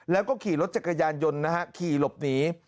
แล้วก็ขี่รถจักรยานยนต์นะฮะขี่หลบหนี